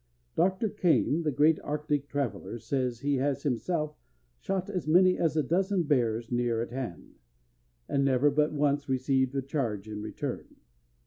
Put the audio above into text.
Dr. Kane, the great arctic traveller, says he has himself shot as many as a dozen bears near at hand, and never but once received a charge in return.